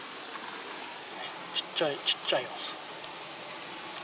ちっちゃいちっちゃいオス。